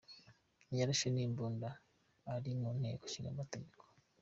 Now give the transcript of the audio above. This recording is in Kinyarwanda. Yarashe n'imbunda ari mu nteko ishingamategeko.